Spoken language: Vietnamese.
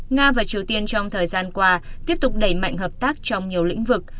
nga và triều tiên trong thời gian qua tiếp tục đẩy mạnh hợp tác trong nhiều lĩnh vực